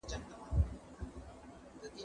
که خس يم، د تا بس يم.